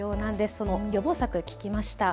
その予防策、聞きました。